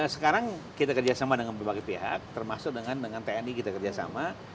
sekarang kita kerjasama dengan berbagai pihak termasuk dengan tni kita kerjasama